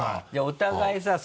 お互いさ